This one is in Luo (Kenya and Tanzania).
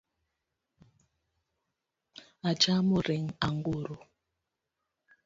Achamo ring' anguro